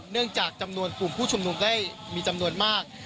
เนื่องจากจำนวนกลุ่มผู้ชุมนุมได้มีจำนวนมาก